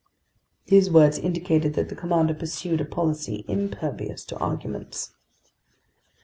These words indicated that the commander pursued a policy impervious to arguments.